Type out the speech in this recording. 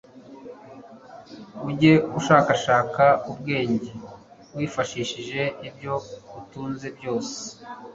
ujye ushakashaka ubwenge wifashishije ibyo utunze byose